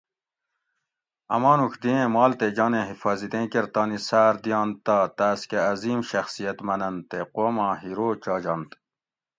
اۤ مانُوڄ دیئیں مال تے جانیں حفاطتیں کیر تانی ساۤر دیئنت تہۤ تاۤس کہ عظیم شخصیت مننت تے قوماں ہیرو چانجنت